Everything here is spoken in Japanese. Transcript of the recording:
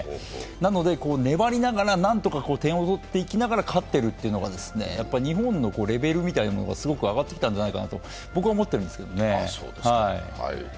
なので粘りながら何とか点を取っていきながら勝っているというのが、日本のレベルみたいなものがすごく上がってきたんじゃないかと僕は思ってるんですけどね。